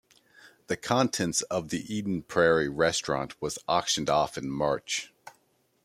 The contents of the Eden Prairie restaurant was auctioned off in March.